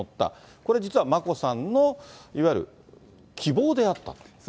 これ、実は眞子さんのいわゆる希望であったと。